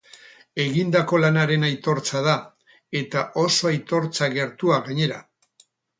Egindako lanaren aitortza da, eta oso aitortza gertua gainera.